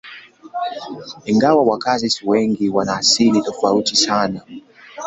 Ingawa wakazi si wengi, wana asili tofauti sana.